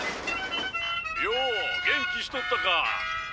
よお元気しとったか。